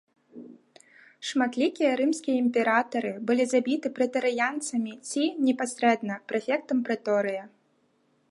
Шматлікія рымскія імператары былі забіты прэтарыянцамі ці непасрэдна прэфектам прэторыя.